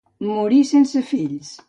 Morí sense fills.